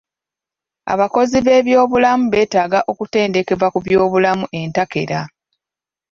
Abakozi b'ebyobulamu beetaga okutendekebwa ku byobulamu entakera.